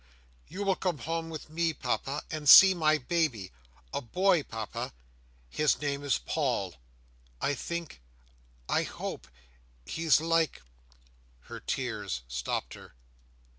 "You will come home with me, Papa, and see my baby. A boy, Papa. His name is Paul. I think—I hope—he's like—" Her tears stopped her.